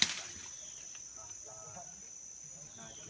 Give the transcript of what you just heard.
และที่สุดท้ายและที่สุดท้าย